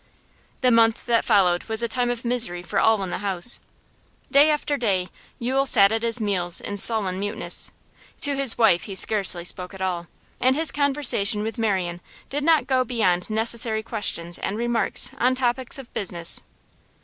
The month that followed was a time of misery for all in the house. Day after day Yule sat at his meals in sullen muteness; to his wife he scarcely spoke at all, and his conversation with Marian did not go beyond necessary questions and remarks on topics of business.